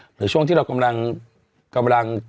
หรือช่วงที่เรากำลัง